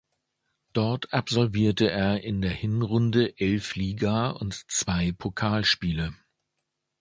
Dort absolvierte er in der Hinrunde elf Liga- und zwei Pokalspiele.